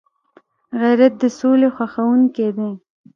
غیرت د سولي خوښونکی دی